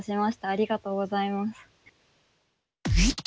ありがとうございます。